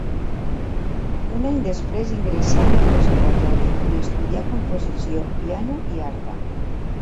Un any després ingressà en el conservatori, on estudià composició, piano i arpa.